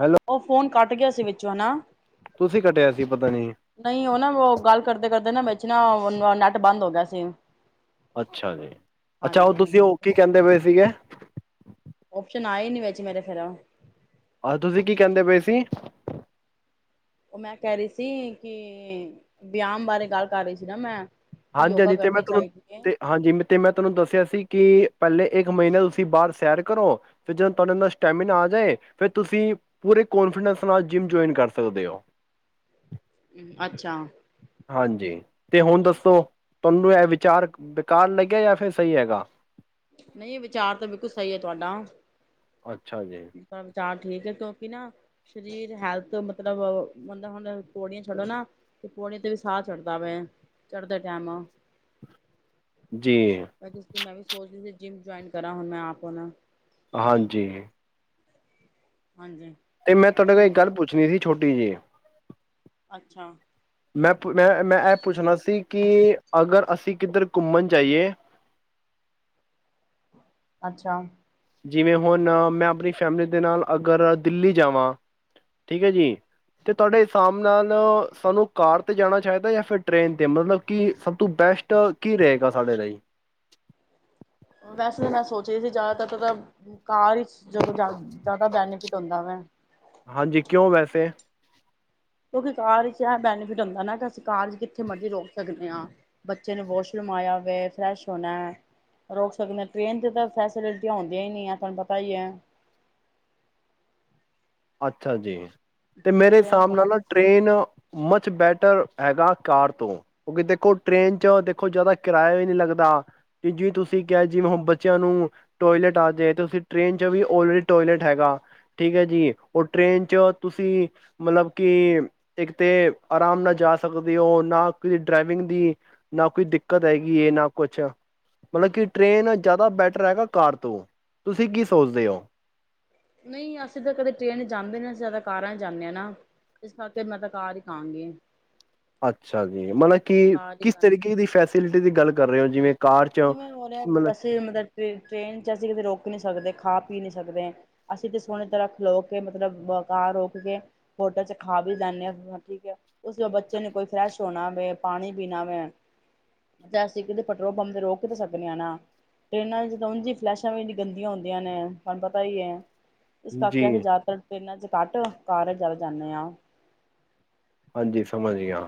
Hello ਉਹ phone cut ਗਿਆ ਸੀ ਵਿੱਚੋਂ ਨਾ। ਤੁਸੀਂ ਕੱਟਿਆ ਸੀ ਪਤਾ ਨੀ ਨਹੀਂ ਉਹ ਨਾ ਉਹ ਗੱਲ ਕਰਦੇ-ਕਰਦੇ ਨਾ ਵੇਚ ਨਾ ਯਾਂ ਨੈੱਟ ਬੰਦ ਹੋ ਗਿਆ ਸੀ। ਅੱਛਾ ਜੀ। ਅੱਛਾ ਉਹ ਹਾਂਜੀ ਤੁਸੀਂ ਉਹ ਕੀ ਕਹਿੰਦੇ ਪਏ ਸੀਗੇ। ਓਪਸ਼ਨ ਆਏ ਈ ਨੀ ਵਿੱਚ ਮੇਰੇ ਫੇਰ। ਆਹ ਤੁਸੀਂ ਕੀ ਕਹਿੰਦੇ ਪਏ ਸੀ? ਉਹ ਮੈਂ ਕਹਿ ਰਹੀ ਸੀ ਕਿ ਬਿਆਮ ਬਾਰੇ ਗੱਲ ਕਰ ਰਹੀ ਸੀ ਨਾ ਮੈਂ। ਕਿ ਯੋਗਾ ਹਾਂਜੀ-ਹਾਂਜੀ ਤੇ ਮੈਂ ਕਰਨੀ ਤੁਹਾਨੂੰ ਚਾਹੀਦੀ ਹੈ ਤੇ ਹਾਂਜੀ ਤੇ ਮੈਂ ਤੇਨੂੰ ਦੱਸਿਆ ਸੀ ਕਿ ਪਹਿਲੇ ਇੱਕ ਮਹੀਨਾ ਤੁਸੀਂ ਬਾਹਰ ਸੈਰ ਕਰੋ ਫਿਰ ਜਦੋਂ ਤੁਹਾਡੇ ਅੰਦਰ ਸ਼ਟੈਮੀਨਾ ਆ ਜਾਏ ਫਿਰ ਤੁਸੀਂ ਪੂਰੇ ਕੋਨਫੀਡੈਂਸ ਨਾਲ ਜਿੰਮ ਜੌਇਨ ਕਰ ਸਕਦੇ ਔਂ। ਹੁੰ, ਅੱਛਾ। ਹਾਂਜੀ ਤੇ ਹੁਣ ਦੱਸ ਤੋਂ, ਤੁਹਾਨੂੰ ਇਹ ਵਿਚਾਰ ਬੇਕਾਰ ਲੱਗਿਆ ਯਾਂ ਫਿਰ ਸਈ ਹੈਗਾ। ਨਹੀਂ, ਏ ਵਿਚਾਰ ਤਾਂ ਬਿਲਕੁਲ ਸਹੀ ਐ ਤੁਹਾਡਾ। ਅੱਛਾ ਜੀ। ਵਿਚਾਰ ਠੀਕ ਏ ਕਿਉਂਕਿ ਨਾ ਸਰੀਰ ਹੈਲਥ ਮਤਲਬ ਬੰਦਾ ਹੁਣ ਪੌੜੀਆਂ ਚੜ੍ਹੋ ਨਾ, ਤੇ ਪੌੜੀਆਂ ਤੇ ਵੀ ਸਾਹ ਚੜ੍ਹਦਾ ਵੇ ਚੜ੍ਹਦੇ ਟਾਈਮ। ਜੀ ਜੇ ਜਿੰਮ ਜੁਆਇਨ ਕਰਾਂ ਹੁਣ ਮੈਂ ਆਪ ਨਾ। ਹਾਂਜੀ। ਹਾਂਜੀ ਤੇ ਮੈਂ ਤੁਹਾਡੇ ਕੋਲ ਹੁਣ ਇੱਕ ਗੱਲ ਪੁੱਛਣੀ ਸੀ। ਛੋਟੀ ਜਿਹੀ। ਅੱਛਾ ਮੈਂ ਮੈਂ ਮੈਂ ਇਹ ਪੁੱਛਣਾ ਸੀ ਕਿ ਅਗਰ ਅਸੀਂ ਕਿੱਧਰ ਘੁੰਮਣ ਜਾਈਏ ਅੱਛਾ ਜਿਵੇਂ ਹੁਣ ਮੈਂ ਆਪਣੀ ਫੈਮਿਲੀ ਦੇ ਨਾਲ ਅਗਰ ਦਿੱਲੀ ਜਾਵਾਂ, ਠੀਕ ਹੈ ਜੀ ਤੇ ਤੁਹਾਡੇ ਹਿਸਾਬ ਨਾਲ ਸਾਨੂੰ ਕਾਰ 'ਤੇ ਜਾਣਾ ਚਾਹੀਦਾ ਜਾਂ ਫਿਰ ਟ੍ਰੇਨ 'ਤੇ ਮਤਲਬ ਕਿ ਸਭ ਤੋਂ ਬੈਸਟ ਕੀ ਰਹੇਗਾ ਸਾਡੇ ਲਈ। ਵੈਸੇ ਤਾਂ ਮੈਂ ਸੋਚ ਰਹੀ ਸੀ ਜ਼ਿਆਦਾਤਰ ਤਾਂ ਕਾਰ ਹੀ ਜਦੋਂ ਜ਼ਿਆਦਾ ਬੈਨੀਫਿਟ ਹੁੰਦਾ ਵੇ। ਹਾਂਜੀ ਕਿਉਂ ਵੈਸੇ ਕਿਉਂਕਿ ਕਾਰ ਵਿੱਚ ਇਹ ਬੈਨੀਫਿਟ ਹੁੰਦਾ ਨਾ ਕਿ ਅਸੀਂ ਕਾਰ ਚ ਕਿੱਥੇ ਮਰਜ਼ੀ ਰੋਕ ਸਕਦੇ ਹਾਂ। ਬੱਚੇ ਨੂੰ ਵਾਸ਼ਰੂਮ ਆਇਆ ਹੋਵੇ, ਫਰੈਸ਼ ਹੋਣਾ ਰੋਕ ਸਕਦੇ ਆ। ਟ੍ਰੇਨ ਤੇ ਤਾਂ ਫੈਸਿਲਿਟੀਆਂ ਹੁੰਦੀਆਂ ਹੀ ਨਹੀਂ ਆ ਤੁਹਾਨੂੰ ਪਤਾ ਹੀ ਹੈ। ਅੱਛਾ ਜੀ। ਤੇ ਮੇਰੇ ਟ੍ਰੇਨ ਹਿਸਾਬ ਥੋੜਾ ਨਾਲ ਨਾ ਟ੍ਰੇਨ ਮਚ ਬੈਟਰ ਹੈਗਾ ਕਾਰ ਤੋਂ। ਕਿਉਕਿ ਦੇਖੋ ਟਰੇਨ ਚ ਦੇਖੋ ਜ਼ਿਆਦਾ ਕਿਰਾਇਆ ਵੀ ਨਹੀਂ ਲੱਗਦਾ, ਕਿ ਜਿ ਤੁਸੀਂ ਕਿਹਾ ਜਿਵੇਂ ਹੁਣ ਬੱਚਿਆਂ ਨੂੰ, ਟੋਇਲੇਟ ਆ ਜੇ ਟ੍ਰੇਨ ਚ ਵੀ ਆਲਰੇਡੀ ਟੋਇਲਟ ਹੈਗਾ ਠੀਕ ਹੈ ਜੀ। ਔਰ ਟ੍ਰੇਨ 'ਚ ਤੁਸੀਂ ਮਤਲਬ ਕਿ ਇੱਕ ਤੇ ਆਰਾਮ ਨਾਲ ਜਾ ਸਕਦੇ ਹੋ ਨਾ ਕਿਸ ਡਰਾਈਵਿੰਗ ਦੀ, ਨਾ ਕੋਈ ਦਿੱਕਤ ਹੈਗੀ ਹੈ, ਨਾ ਕੁਛ। ਮਤਲਬ ਕਿ ਟ੍ਰੇਨ ਜ਼ਿਆਦਾ ਬੈਟਰ ਹੈਗਾ ਕਾਰ ਤੋਂ। ਤੁਸੀਂ ਕੀ ਸੋਚਦੇ ਹੋ? ਨਹੀਂ ਅਸੀਂ ਤੇ ਕਦੇ ਟ੍ਰੇਨ 'ਚ ਜਾਂਦੇ ਨਹੀ ਅਸੀਂ ਜਿਆਦਾ ਕਾਰਾਂ 'ਚ ਜਾਨੇ ਆ ਨਾ। ਇਸ ਕਰਕੇ ਮੈਂ ਤਾਂ ਕਾਰ ਹੀ ਕਹਾਂਗੀ। ਅੱਛਾ ਜੀ ਮਤਲਬ ਕਿ ਕਾਰ ਕਿਸ ਹੀ ਤਰੀਕੇ ਦੀ ਫੈਸਿਲ ਟੀ ਦੀ ਗੱਲ ਕਰ ਰਹੇ ਹੋ ਜਿਵੇਂ ਕਾਰ 'ਚ ਕਿਵੇਂ ਹੋ ਰਿਹਾ ਮਤਲਬ ਅਸੀਂ ਮਤਲਬ ਟ੍ਰੇਨ ਟ੍ਰੇਨ 'ਚ ਅਸੀਂ ਕਿਤੇ ਰੋਕ ਨੀ ਸਕਦੇ ਖਾ ਪੀ ਨੀ ਸਕਦੇ। ਅਸੀਂ ਤੇ ਸੋਹਣੀ ਤਰ੍ਹਾਂ ਖਲੋ ਕੇ ਮਤਲਬ ਕਾਰ ਰੋਕ ਕੇ ਹੋਟਲ ਚ ਖਾ ਵੀ ਲੈਂਨੇ ਆ ਠੀਕ ਹੈ ਉਸ ਬੱਚੇ ਨੂੰ ਕੋਈ ਫਰੈਸ਼ ਹੋਣਾ ਹੋਵੇ, ਪਾਣੀ ਪੀਣਾ ਹੋਵੇ ਤੇ ਅਸੀਂ ਕਿਤੇ ਪੈਟਰੋਲ ਪੰਪ ਤੇ ਰੋਕ ਤਾਂ ਸਕਦੇ ਏ ਨਾ। ਟਰੇਨਾਂ ਵਿੱਚ ਤਾਂ ਉਂਝ ਵੀ ਫਲੈਸ਼ਾਂ ਵੀ ਇੰਨੀਆ ਗੰਦੀਆਂ ਹੁੰਦੀਆਂ ਨੇ ਤੁਹਾਨੂੰ ਪਤਾ ਹੀ ਹੈ। ਇਸ ਕਰਕੇ ਅਸੀਂ ਜੀ, ਜਿਆਦਾਤਰ ਟ੍ਰੇਨਾ 'ਚ ਝੱਟ ਸਾਰੇ ਚਲ ਜਾਂਨੇ ਆਂ। ਹਾਂਜੀ ਸਮਝ ਗਿਆ।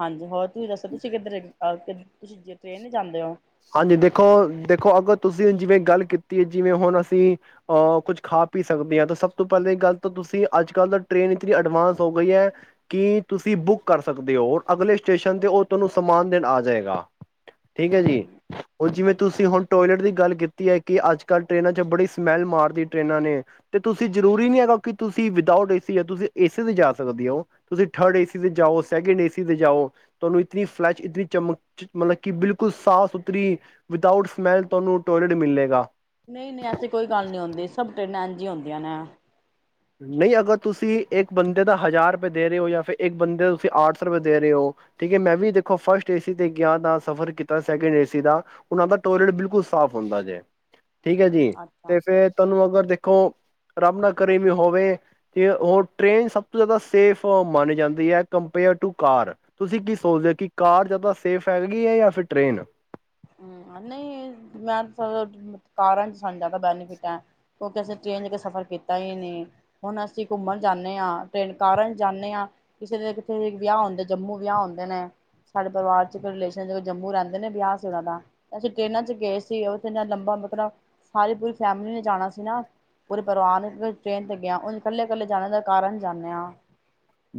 ਹਾਂਜੀ ਹੋਰ ਤੁਸੀਂ ਦੱਸੋ ਤੁਸੀ ਕਿੱਧਰ ਏ? [unintelligible] ਤੁਸੀਂ ਜੇ ਟਰੇਨ 'ਚ ਜਾਂਦੇ ਓ। ਹਾਂਜੀ ਦੇਖੋ, ਦੇਖੋ ਅਗਰ ਤੁਸੀਂ ਜਿਵੇਂ ਗੱਲ ਕੀਤੀ ਏ ਜਿਵੇਂ ਹੁਣ ਅਸੀਂ ਆ ਕੁਝ ਖਾ ਪੀ ਸਕਦੇ ਆ ਤਾਂ ਸਭ ਤੋਂ ਪਹਿਲੇ ਗੱਲ ਤਾਂ ਤੁਸੀਂ ਅੱਜ-ਕੱਲ੍ਹ ਤਾਂ ਟਰੇਨ ਇਤਨੀ ਐਡਵਾਂਸ ਹੋ ਗਈ ਹੈ ਕੀ ਤੁਸੀਂ ਬੁੱਕ ਕਰ ਸਕਦੇ ਹੋ ਔਰ ਅਗਲੇ ਸਟੇਸ਼ਨ ਤੇ ਉਹ ਤੁਹਾਨੂੰ ਸਮਾਨ ਦੇਣ ਆ ਜਾਏਗਾ। ਠੀਕ ਹੈ ਜੀ। ਉਹ ਜਿਵੇਂ ਤੁਸੀਂ ਅੱਛਾ। ਹੁਣ ਟੋਇਲਟ ਦੀ ਗੱਲ ਕੀਤੀ ਹੈ ਕਿ ਅੱਜ-ਕੱਲ੍ਹ ਟਰੇਨਾਂ ਚ ਬੜੀ ਸਮੈਲ ਮਾਰਦੀ ਟਰੇਨਾਂ ਨੇ, ਤੇ ਤੁਸੀਂ ਜਰੂਰੀ ਨੀ ਹੈਗਾ ਕਿ ਤੁਸੀਂ ਵਿਦਾਊਟ ਏ ਸੀ ਜਾਂ ਤੁਸੀਂ ਏ ਸੀ ਤੇ ਜਾ ਸਕਦੇ ਹੋ। ਤੁਸੀਂ ਥਰਡ ਏਸੀ ਤੇ ਜਾਓ, ਸੈਕਿੰਡ ਏਸੀ ਤੇ ਜਾਓ ਤੁਹਾਨੂੰ ਇਤਨੀ ਫਲੈਸ਼ ਇਤਨੀ ਚਮਕ ਚਮ ਮਤਲਬ ਕਿ ਬਿਲਕੁਲ ਸਾਫ਼ ਥਰੀ ਵਿਦਾਊਟ ਸਮੈਲ ਤੁਹਾਨੂੰ ਟੋਇਲੇਟ ਮਿਲੇਗਾ। ਨਹੀਂ-ਨਹੀਂ ਐਸੀ ਕੋਈ ਗੱਲ ਨਹੀਂ ਹੁੰਦੀ ਸਭ ਟਰੇਨਾਂ ਇੰਝ ਹੀ ਹੁੰਦੀਆ ਨੇ। ਨਹੀਂ ਅਗਰ ਤੁਸੀਂ ਇੱਕ ਬੰਦੇ ਦਾ ਹਜ਼ਾਰ ਰੁਪਏ ਦੇ ਰਹੇ ਹੋ ਜਾਂ ਫਿਰ ਇੱਕ ਬੰਦੇ ਦਾ ਤੁਸੀਂ ਆਠ ਸੌ ਰੁਪਏ ਦੇ ਰਹੇ ਹੋ ਠੀਕ ਹੈ ਮੈਂ ਵੀ ਦੇਖੋ ਫਸਟ ਏ ਸੀ ਤੇ ਗਿਆ ਦਾ ਸਫ਼ਰ ਕੀਤਾ ਸੈਕਿੰਡ ਏਸੀ ਦਾ ਉਹਨਾਂ ਦਾ ਟੋਇਲੇਟ ਬਿਲਕੁਲ ਸਾਫ਼ ਹੁੰਦਾ ਜੇ। ਠੀਕ ਹੈ ਜੀ, ਅੱਛਾ ਤੇ ਫੇਰ ਤੁਹਾਨੂੰ ਅਗਰ ਦੇਖ ਕਹੋ ਰੱਬ ਨਾ ਕਰੇ ਵੀ ਹੋਵੇ ਤੇ ਉਹ ਟਰੇਨ ਸਭ ਤੋਂ ਜ਼ਿਆਦਾ ਸੇਫ ਮਾਨੀ ਜਾਂਦੀ ਹੈ ਕੰਪੇਅਰ ਟੂ ਕਾਰ। ਤੁਸੀਂ ਕੀ ਸੋਚਦੇ ਹੋ ਕਿ ਕਾਰ ਜ਼ਿਆਦਾ ਸੇਫ ਹੈਗੀ ਹੈ ਜਾਂ ਫਿਰ ਟਰੇਨ? ਹੂੰ ਨਹੀਂ ਮੈਂ ਤਾਂ ਸਗੋ ਕਾਰਾਂ 'ਚ ਸਾਨੂੰ ਜ਼ਿਆਦਾ ਬੈਨੀਫਿਟ ਐ, ਕਿਉਂਕਿ ਅਸੀਂ ਟਰੇਨ ਚ ਸਫ਼ਰ ਕੀਤਾ ਹੀ ਨਹੀਂ। ਹੁਣ ਅਸੀਂ ਘੁੰਮਣ ਜਾਨੇ ਆ ਟਰੇਨ ਕਾਰਾਂ 'ਚ ਜਾਨੇ ਆ, ਕਿਸੇ ਨਾ ਕਿਸੇ ਦੇ ਵਿਆਹ ਹੁੰਦੇ ਜੰਮੂ ਵਿਆਹ ਹੁੰਦੇ ਨੇ, ਸਾਡੇ ਪਰਿਵਾਰ 'ਚ ਰਿਲੇਸ਼ਨ 'ਚ ਜੰਮੂ ਰਹਿੰਦੇ ਨੇ ਵਿਆਹ ਜਿਆਦਾ ਅਸੀਂ ਟ੍ਰੇਨਾਂ ਚ ਗਏ ਸੀ ਉਥੇ ਨਾ ਲੰਬਾ ਮਤਲਬ ਸਾਰੀ ਪੂਰੀ ਫੈਮਿਲੀ ਨੇ ਜਾਣਾ ਸੀ ਨਾ, ਪੂਰੇ ਪਰਿਵਾਰ ਨੂੰ ਟ੍ਰੇਨ ਤੇ ਗਿਆ ਉਂਝ ਕੱਲੇ-ਕੱਲੇ ਜਾਣ ਹੁੰਦਾ ਕਾਰਾਂ 'ਚ ਜਾਨੇ ਆ।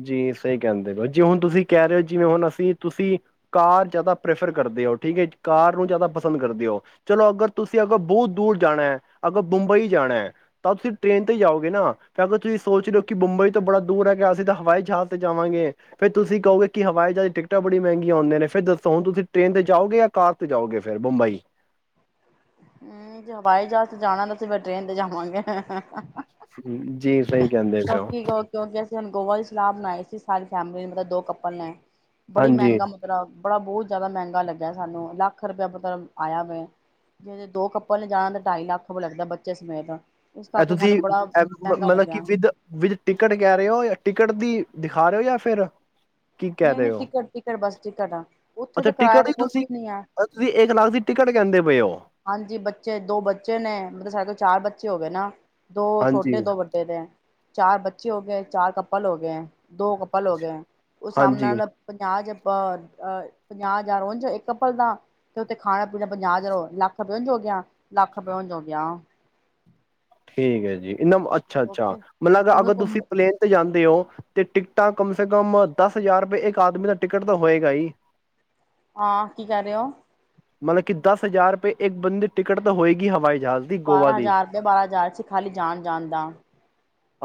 ਜੀ ਸਹੀ ਕਹਿੰਦੇ ਰ ਜੇ ਹੁਣ ਤੁਸੀਂ ਕਹਿ ਰਹੇ ਹੋ ਜਿਵੇਂ ਹੁਣ ਅਸੀਂ ਤੁਸੀਂ ਕਾਰ ਜ਼ਿਆਦਾ ਪ੍ਰੈਫਰ ਕਰਦੇ ਹੋ ਠੀਕ ਹੈ ਕਾਰ ਨੂੰ ਜ਼ਿਆਦਾ ਪਸੰਦ ਕਰਦੇ ਹੋ ਚਲੋ ਅਗਰ ਤੁਸੀਂ ਅਗਰ ਬਹੁਤ ਦੂਰ ਜਾਣਾ ਹੈ ਅਗਰ ਬੰਬਈ ਜਾਣਾ ਹੈ ਤਾਂ ਤੁਸੀਂ ਟ੍ਰੇਨ ਤੇ ਜਾਓਗੇ ਨਾ ਫ ਅਗਰ ਤੁਸੀਂ ਸੋਚ ਰਹੇ ਹੋ ਕਿ ਬੰਬਈ ਤੋਂ ਬੜਾ ਦੂਰ ਹੈਗਾ ਅਸੀਂ ਤਾਂ ਹਵਾਈ ਜਹਾਜ਼ ਤੇ ਜਾਵਾਂਗੇ ਫੇਿਰ ਤੁਸੀਂ ਕਹੋਗੇ ਕਿ ਹਵਾਈ ਜਹਾਜ਼ ਦੀ ਟਿਕਟਾਂ ਬੜੀ ਮਹਿੰਗੀਆਂ ਆਉਂਦੇ ਨੇ ਫਿਰ ਦੱਸੋ ਹੁਣ ਤੁਸੀਂ ਟ੍ਰੇਨ ਤੇ ਜਾਓਗੇ ਜਾਂ ਕਾਰ ਤੇ ਜਾਓਗੇ ਫੇਿਰ ਮੁੰਬਈ ਹਮ ਜੇ ਹਵਾਈ ਜਹਾਜ ਚ ਜਾਣਾ ਤਾਂ ਅਸੀਂ ਫਿਰ ਟ੍ਰੇਨ ਤੇ ਜਾਵਾਂਗੇ ਜੀ ਸਹੀ ਕਹਿੰਦੇ ਪਏ ਹੋ ਕਿਉਂਕ ਕਿਉਂਕਿ ਅਸੀਂੂੰ ਗੋਵਲ ਸਲਾਬ ਨਾ ਇਸ ਸਾਰੀ ਫੈਮਿਲੀ ਮਤਲਬ ਦੋ ਕਪਲ ਨੇ ਬੜੀ ਹਾਂਜੀ ਮਹਿੰਗਾ ਮਤਲਬ ਬੜਾ ਬਹੁਤ ਜ਼ਿਆਦਾ ਮਹਿੰਗਾ ਲੱਗਿਆ ਸਾਨੂੰ ਲੱਖ ਰੁਪਇਆ ਮਤਲਬ ਆਇਆ ਵਵੇ ਜੇੇ ਦੋ ਕੱਪਲ ਨੇ ਜਾਣਾ ਤੇ ਢਾਈ ਲੱਖ ਲੱਗਦਾ ਬੱਚੇ ਸਮੇਤ ਇਸ ਕਰਕੇ ਤੁਸੀਂ ਸਾਨੂੰ ਬੜਾ ਮਹਿੰਗਾ ਮਤਲਬ ਲੱਗਿਆ। ਕਿ ਵਿਦ ਵਿੱਚ ਟਿਕਟ ਕਹਿ ਰਹੇ ਹੋ ਜਾਂ ਟਿਕਟ ਦੀ ਦਿਖਾ ਰਹੇ ਹੋ ਜਾਂ ਫਿਰ ਕੀ ਕਹਿ ਨਹੀਂ ਰ ਨਹੀਂ ਹੋ ਟਿਕਟ ਟਿਕਟ ਬਸ ਟਿਕਟ ਆ ਉੱਥੇ ਅੱਛਾ ਤਾਂ ਕਿਰਾਇਆ ਟਿਕਟ ਤੇ ਵੀ ਕੁਛ ਤੁਸੀਂ ਨੀ ਹੈ। ਤੁਸੀਂ ਇੱਕ ਲੱਖ ਦੀ ਟਿਕਟ ਕਹਿੰਦੇ ਪਏ ਹੋ ਹਾਂਜੀ ਬੱਚੇ ਦੋ ਬੱਚੇ ਨੇ ਮਤਲਬ ਸਾਡੇ ਕੋਲ ਚਾਰ ਬੱਚੇ ਹੋ ਗਏ ਨਾ ਦੋ ਹਾਂਜੀ ਛੋਟੇ ਦੋ ਵੱਡੇ ਤੇ ਚਾਰ ਬੱਚੇ ਹੋ ਗਏ ਚਾਰ ਕੱਪਲ ਹੋ ਗਏ ਦੋ ਕੱਪਲ ਹੋ ਗਏ ਉਹ ਹਿਸਾਬ ਹਾਂਜੀ ਨਾਲ ਪੰਜਾਹ ਅ ਪੰਜਾਹ ਹਜ਼ਾਰ ਹੋ ਇੱਕੱਪਲ ਦਾ ਤੇ ਉੱਥੇ ਖਾਣਾ ਪੀਣਾ ਪੰਜਾਹ ਹਜ਼ਾਰ ਹੋ ਲੱਖ ਲੱਖ ਪਿ ਜੋ ਗਿਆ ਲੱਖ ਪਿ ਜੋਗ ਗਿਆ ਠੀਕ ਹੈ ਜੀ ਇਹ ਅੱਛਾ ਅੱਛਾ ਓਕੇ ਮਤਲਬ ਕਿਉਂਕਿ ਅਗਰ ਘੁੰਮ ਤੁਸੀਂ ਪਲੇਨ ਤੇ ਜਾਂਦੇ ਹੋ ਤੇ ਟਿਕਟਾਂ ਕਮ ਸੇ ਕਮ ਦਸ ਹਜ਼ਾਰ ਰੁਪਏ ਇੱਕ ਆਦਮੀ ਦਾ ਟਿਕਟ ਤਾਂ ਹੋਏਗਾ ਜੀ ਹਾਂ ਕੀ ਕਰ ਰਹੇ ਹੋ ਮਤਲਬ ਕਿ ਦਸ ਹਜ਼ਾਰ ਰੁਪਏ ਇੱਕ ਬੰਦੀ ਦੀ ਟਿਕਟ ਤਾਂ ਹੋਏਗੀ ਹਵਾਈ ਜਹਾਜ਼ ਦੀ ਗੋਆ ਬਾਰਾਂ ਦੀ ਹਜ਼ਾਰ ਦੇ ਬਾਰਾਂ ਹਜ਼ਾਰ ਸੀ ਖਾਲੀ ਜਾਣ ਜਾਣ ਦਾ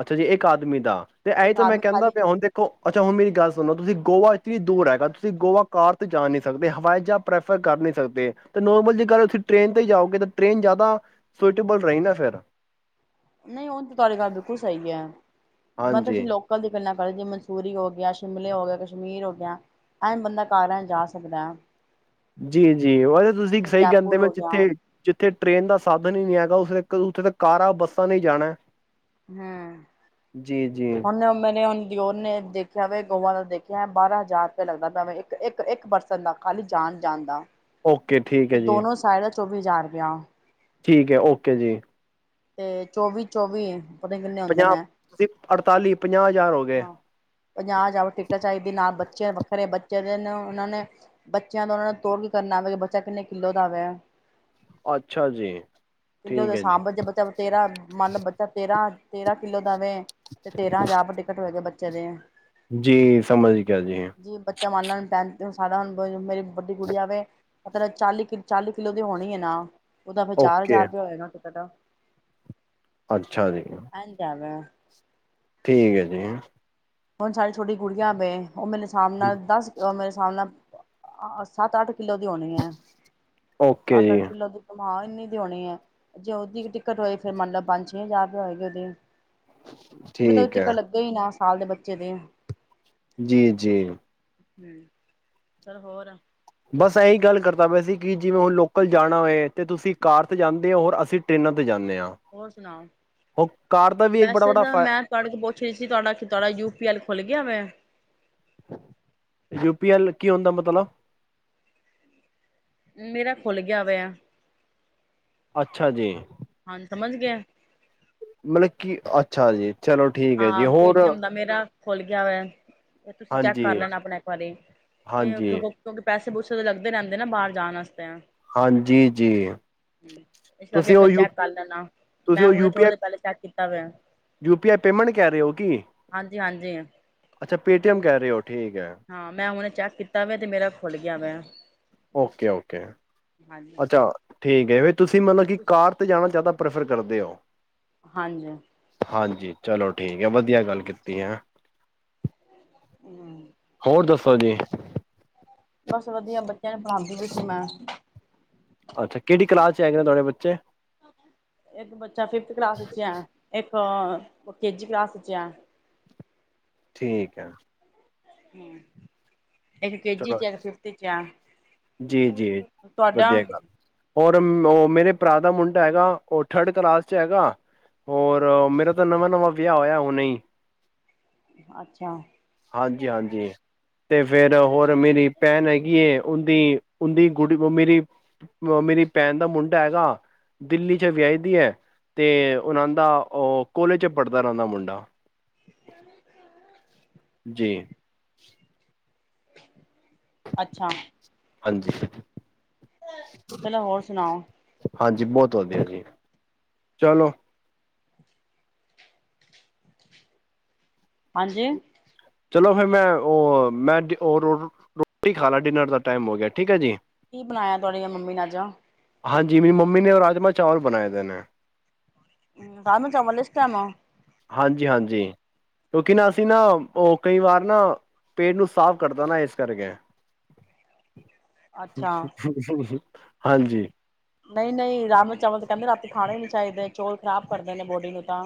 ਅੱਛਾ ਜੀ ਇੱਕ ਆਦਮੀ ਦਾ ਤੇ ਇਹੀ ਇੱਕ ਤਾਂ ਮੈਂ ਆਦਮੀ ਕਹਿੰਦਾ ਖਾਲੀ ਪਿਆ ਹੁਣ ਦੇਖੋ ਅੱਛਾ ਹੁਣ ਮੇਰੀ ਗੱਲ ਸੁਣੋ ਤੁਸੀਂ ਗੋਆ ਇਤਨੀ ਦੂਰ ਹੈਗਾ ਤੁਸੀਂ ਗੋਆ ਕਾਰ ਤੇ ਜਾ ਨਹੀਂੀ ਸਕਦੇ ਹਵਾਈ ਜਹਾ ਪ੍ਰੈਫਰ ਨਹੀਂੀ ਨੋਰਮਲ ਜੇਕਰ ਤੁਸੀਂ ਟ੍ਰੇਨ ਤੇ ਜਾਓਗੇ ਤਾਂ ਟ੍ਰੇਨ ਜ਼ਿਆਦਾ ਸੁਟੇਬਲ ਰਹੀ ਨਾ ਫਿਰ ਨਹੀਂ ਉਹ ਤੇ ਤੁਹਾਡੀ ਗੱਲ ਬਿਲਕੁਲ ਸਹੀ ਹੈ ਮੈਂ ਤਾਂ ਹਾਂਜੀ ਲੋਕ ਦੀਆਂ ਗੱਲਾਂ ਕੀ ਜਿਵੇ ਮਨਸੂਰੀ ਹੋ ਗਿਆ ਸ਼ਿਮਲੇ ਹੋ ਗਿਆ ਕਸ਼ਮੀਰ ਹੋ ਗਿਆ ਐਂ ਬੰਦਾ ਕਾਰ ਜਾ ਸਕਦਾ ਹੈ ਜੀ ਜੀ ਉਹ ਤੁਸੀਂ ਜਿਵੇਂ ਸਹੀ ਜੈਪੁਰ ਕਹਿੰਦੇ ਮ ਹੋ ਗਿਆ ਜਿੱਥੇ ਜਿੱਥੇ ਟ੍ਰੇਨ ਦਾ ਸਾਧਨ ਹੀ ਨਹੀਂੀ ਹੈਗਾ ੇ ਉੱਥੇ ਤਾਂ ਕਾਰਾਂ ਬੱਸਾਂ ਨਹੀਂ ਜਾਣਾ ਹਮ ਜੀ ਜੀ ਉਹਨੇ ਮੇ ਨੇ ਹ ਓਨੇ ਦੇਖਿਆ ਗੋਵਾਂ ਦਾ ਦੇਖਿਆ ਬਾਰਾਂ ਹਜ਼ਾਰ ਰੁਪਆ ਲੱਗਦਾ ਪ ਇੱਕ ਇੱਕ ਪਰਸਨ ਦਾ ਖਾਲੀ ਜਾਣ ਜਾਣ ਦਾ ਓਕੇ ਠੀਕ ਹੈ ਜੀ ਚੌਵੀਜ਼ਾਰ ਗਿਆ ਠੀਕ ਹੈ ਐੱਕੇ ਜੀ ਤੇ ਚੌਵੀ ਚੌਵੀ ਏ ਉਹ ਕਿੰਨੇ ਹੁੰਦੇ ਪੰਜਾਹ ਨੇ ਤੁਸੀਂ ਅੜਤਾਲੀ ਪੰਜਾਹ ਹਜ਼ਾਰ ਹੋ ਗਏ ਹਾਂ ਪੰਜਾਹ ਜਾ ਟਿਕਟ ਚਾਹੀਦੀ ਨਾਲ ਬ ਬੱਚਿਆਂ ਵੱਖਰੇ ਬੱਚਿਆਂ ਦੇ ਉਹਨਾਂ ਨੇ ਬੱਚਿਆਂ ਤੋਂ ਉਹਨਾਂ ਨੂੰ ਤੋਰ ਕੇ ਕਰਨਾ ਆਵੇ ਕਿਤਨੇ ਕਿੱਲੋ ਦਾ ਵਾ ਅੱਛਾ ਜੀ ਠੀਕ ਕਿਲਦੇ ਹੈ ਜੀ ਸਾਂਭ ਚ ਬੱਚਾ ਤੇਰਾ ਮਨ ਬੱਚਾ ਤੇਰਾਾਂ [unintelligible] ਤੇਰਾਂ ਕਿੱਲੋ ਵੇ ਤੇਰਾਂ ਹਜ਼ਾਰ ਟਿਕਟ ਹੋਏ ਗ ਬੱਚੇ ਚਲੇ ਆ ਜੀ ਸਮਝ ਗਯਾ ਜੀ ਸਾਧਾਰਨ ਮੇਰੀ [inaudible] ਵਡੀ ਗੁੜੀਆ ਵੇ ਮਤਲਬ ਚਾਲੀ ਕਿ ਚਾਲੀ ਕਿੱਲੋ ਦੀ ਹੋਣੀ ਹੈ ਨਾ ਉਹਦਾ ਫੇਰ ਚਾਰ ਓਕੇ ਹਜ਼ਾਰ ਰੁਪਇ ਹੋਏਗਾ ਟਿਕਟ ਅੱਛਾ ਜੀ ਇੰਝ ਹੈਗਾ ਠੀਕ ਹੈ ਜੀ ਹੁਣ ਸਾਰੀ ਛੋਟੀ ਗੂੜੀਆਂ ਵੇ ਉਹ ਮੇਰੇ ਸਾਹਮ ਨਾਲ ਦੱਸ ਮੇ [unintelligible] ਹਿਸਾਬ ਨਾਲ ਸੱਤ ਅੱਠ ਕਿੱਲੋ ਦੀ ਹੋਣੀ ਹੈ ਓਕੇ ਸਤ ਜੀ ਅੱਠ ਕਿੱਲੋ ਦੀ ਮਾਂ ਇੰਨੀ ਦਿ ਹੋਉਣੀ ਹੈ ਜੇ ਉਹਦੀ ਟਿਕਟ ਹੋਈ ਫਿਰ ਮੰਨਲਬ ਪੰਜ ਛੇ ਹਜ਼ਾਰ ਰੁਪਇ ਹੋਏਗੀ ਉਹਦੀ ਕੀ ਪਤਾ ਠੀਕ ਹੈ ਟਿਕਟ ਲੱਗੇ ਹੀ ਨਾ ਸਾਲ ਦੇ ਬੱਚੇ ਚਲਿਆ ਜੀ ਜੀ ਹੂ ਚਲ ਹੋਰ ਬਸ ਇਹੀ ਗੱਲ ਕਰਦਾ ਪਿਆ ਸੀ ਕਿ ਜਿਵੇਂ ਹੁਣ ਲੋਕਲ ਜਾਣਾ ਹੋਏ ਤੇ ਤੁਸੀਂ ਕਾਰ 'ਤੇ ਜਾਂਦੇ ਹੋ ਹੋਔਰ ਅਸੀਂ ਟ੍ਰਰੇਨਾਂ 'ਤੇ ਜਾਂਦੇ ਹਾਂ ਹੋਰ ਸੁਣਾਔ ਉਹ ਕਾਰ ਦਾ ਵੀ ਇੱਕ ਬੜਾ ਵੈਸੇ ਬੜਾ ਤਾਂ ਫ ਮੈਂ ਤੁਹਾਡੇ ਕੋਲ ਪੁੱਛ ਰਹੀ ਸੀ ਤੁਹਾਡਾ ਤੁਹਾਡਾ ਯੂ ਪੀ ਐਲ ਖੁੱਲ ਗਿਆ ਵੈਂ ਯੂਪੀ ਐਲ ਕੀ ਹੁੰਦਾ ਮਤਲਬ ਮੇਰਾ ਖੁੱਲ ਗਿਆ ਵੇ ਆ ਅੱਛਾ ਜੀ ਹਾਂਜੀ ਸਮਝ ਗਿਆ ਮਤਲਬ ਕੀ ਅੱਛਾ ਜੀ ਚਲੋ ਠੀਕ ਹੈ ਜੀ ਹੋਰ ਖੂਲ ਗਿਆ ਵੈ ਇਹ ਤੁਸੀਂ ਚੈੱਕ ਹਾਂਜੀ ਕਰ ਲੈਣਾ ਆਪਣਾ ਇੱਕ ਵਾਰੀ ਇਹ ਕਿ ਹਾਂਜੀ ਕਿਉਂਕਿ ਪੈਸੇ ਬੁਰਸ਼ ਲੱਗਦੇ ਰਹਿੰਦੇ ਨਾ ਬਾਹਰ ਜਾਣਾਤੇ ਹਾਂਜੀ ਜੀ ਇਸ ਕਰਕੇ ਤੁਸੀਂ ਇੱਕ ਉਹ ਯੂ ਚੈੱਕ ਕਰ ਲੈਨਾ, ਮੈਂ ਹੁਣੇ ਥੋੜੀ ਦੇਰ ਪਹਿਲੇ ਚੈੱਕ ਕੀਤੀ, ਤਵੇ, ਜੋ, ਯੂ ਪੀ ਆਈ ਪੇਮੈਂਟ ਕਹਿ ਰਹੇ ਹੋ ਕਿ ਹਾਂਜੀ ਹਾਂਜੀ ਅੱਛਾ ਪੇਟੀਐਮ ਕਹਿ ਰਹੇ ਹੋ। ਠੀਕ ਹੈ ਹਾਂ ਮੈਂ ਹੁਨ ਚੈੱਕ ਕੀਤਾ ਵ ਤੇ ਮੇਰਾ ਖੁੱਲ ਗਿਆ ਵੈਂ। ਓਕੇ ਓਕੇ ਅੱਛਾ, ਠੀਕ ਏ, ਤੁਸੀਂ ਮਤਲਬ ਕਿ ਕਾਰ ਤੇ ਜਾਣਾ ਜ਼ਿਆਦਾ, ਪ੍ਰੈਫਰ ਕਰਦੇ ਹੋ। ਹਾਂਜੀ, ਹਾਂਜੀ ਚਲੋ ਠੀਕ ਹੈ ਵਧੀਆ ਗੱਲ ਕੀਤੀ ਹੈ। ਹਮ ਹੋਰ ਦੱਸੋ ਜੀ, ਬਸ ਵਧੀਆ ਬੱਚ ਪੜਾਦੀ ਵੀ ਸੀ ਮੈਂ, ਅੱਛਾ ਕਿਹੜੀ ਕਲਾਸ ਚ ਹੈਗੇ ਨੇ ਤੁਹਾਡੇ ਬੱਚੇ? ਉਹ ਕੇਜੀ ਕਲਾਸ ਚ ਐ, ਠੀਕ ਹੈ, ਹੂੰ, ਇੱਕ ਕੇਜੀ ਚਲੋ ਚ ਆ ਇੱਕ ਫਿਫਤ ਚ ਆ, ਜੀ ਜੀ ਤੁਹਾਡਾ? ਵਧੀਆ ਗੱਲ ਔਰ ਨੋ ਮੇਰੇ, ਭਰਾ ਦਾ ਮੁੰਡਾ ਹੈਗਾ ਉਹ ਥਰਡ ਕਲਾਸ ਹੈਗਾ ਔਰ ਮੇਰਾ ਤਾਂ ਨਵਾਂ-ਨਵਾਂ ਵਿਆਹ ਹੋਇਆ ਹੁਣੇ ਹੀ, ਅੱਛਾ, ਹਾਂਜੀ ਹਾਂਜੀ ਤੇ ਫੇਰ ਹੋਰ, ਮੇਰੀ ਭੈਣ ਹੈਗੀ ਐ ਉਹਦੀ ਉਹਦੀ ਗੁੜੀ ਮੇਰੀ ਮੇਰੀ ਭੈਣ ਦਾ ਮੁੰਡਾ ਹੈਗਾ ਦਿੱਲੀ ਚ ਵਿਆਹੀ ਦੀ ਹੈ ਤੇ ਉਹਨਾਂ ਦਾ ਅ ਕੋਲੇਜ ਚ ਪੜ੍ਹਦਾ ਰਹਿ ਦਾ ਉਹਨਾ ਦਾ ਮੁੰਡਾ [unintelligible] ਜੀ, [unintelligible] ਅੱਛਾ, ਹਾਂਜੀ, ਚਲੋ ਹੋਰ ਸੁਣਾਓ? ਹਾਂਜੀ ਬਹੁਤ ਵਧੀਆ ਜੀ ਚਲੋ, ਹਾਂਜੀ, ਚਲੋ ਫਿਰ ਮੈਂ ਉਹ ਮੈਂ ਔ ਰ ਰੋਟੀ ਖਾ ਲਾ ਡਿਨਰ ਦਾ ਟਾਈਮ ਹੋ ਗਿਆ ਠੀਕ ਹੈ ਜੀ। ਕੀ ਬਣਾਇਆ ਤੁਹਾਡੀ ਮੰਮੀ ਨੇ ਅੱਜ, ਹਾਂਜੀ ਮੇਰੀ ਮੰਮੀ ਨੇ ਉਹ ਰਾਜਮਾਂ ਚਾਵਲ ਬਣਾਏ ਦੇ ਨੇ। ਰਾਜਮਾ ਚਾਵਲ ਇਸ ਟੈਮ। ਹਾਂਜੀ ਹਾਂਜੀ ਕਿਉਂਕਿ ਨਾ ਅਸੀਂ ਨਾ ਉਹ ਕਈ ਵਾਰ ਨਾ, ਪੇਟ ਨੂੰ ਸਾਫ਼ ਕਰਦਾ ਨਾ ਇਸ ਕਰਕੇ ਅੱਛਾ। [unintelligible] ਹਾਂਜੀ ਨਹੀਂ-ਨਹੀਂ ਰਾਜਮਾ ਚਾਵਲ ਤੇ ਕਹਿੰਦੇ ਰਾਤੀ ਖਾਣੇ ਹੀ ਨਹੀਂ ਚਾਹੀਦੇ ਚੌਲ ਖ਼ਰਾਬ ਕਰਦੇ ਨੇ ਬੋਡੀ ਨੂੰ ਤਾਂ।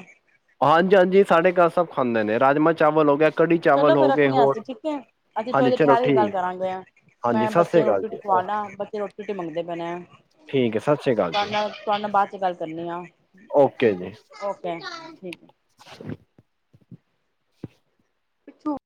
ਹਾਂਜੀ-ਹਾਂਜੀ ਸਾਡੇ ਘਰ ਸਭ ਖਾਂਦੇ ਨੇ ਰਾਜਮਾਂ ਚਾਵਲ ਹੋ ਗਿਆ ਕੜੀ ਚਲੋ ਚਾਵਲ ਫੇਰ ਹੋ ਗਏ ਰੱਖਣੇ ਆ ਅਸੀਂ ਹੋਰ ਠੀਕ ਹੈ ਅਸੀਂ ਹਾਂਜੀ ਸਵੇਲੇ ਚਲੋ ਠਹਿਰ ਕੇ ਠੀਕ ਗੱਲ ਕਰਾਂਗੇ ਆ ਹਾਂਜੀ ਮੈਂ ਸਤਿ ਬੱਚੇ ਸ੍ਰੀ ਨੂੰ ਅਕਾਲ ਰੋਟੀ-ਰੋਟੀ ਜੀ ਖਵਾ ਓਕੇ ਲਾ ਬੱਚੇ ਰੋਟੀ-ਰੋਟੀ ਮੰਗਦੇ ਪਏ ਨੇ, ਠੀਕ ਹੈ ਸਤਿ ਸ੍ਰੀ ਅਕਾਲ ਜੀ ਤੁਹਾਡੇ ਨਾ ਤੁਹਾਡੇ ਨਾਲ ਬਾਅਦ ਚ ਗੱਲ ਕਰਨੀ ਆ ਓਕੇ ਜੀ ਓਕੇ। ਠੀਕ ਹੈ। ਪੁੱਛੋ